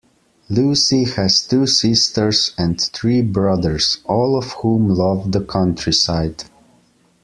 Lucy has two sisters and three brothers, all of whom love the countryside